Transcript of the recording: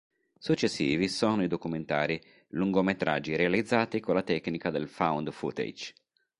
Successivi sono i documentari, lungometraggi realizzati con la tecnica del found footage.